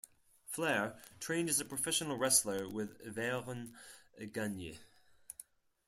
Flair trained as a professional wrestler with Verne Gagne.